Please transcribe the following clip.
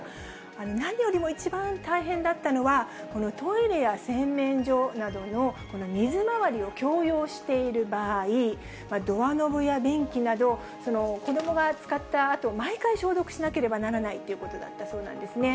何よりも一番大変だったのは、このトイレや洗面所などの水回りを共用している場合、ドアノブや便器など、その子どもが使ったあと、毎回消毒しなければならないということだったそうなんですね。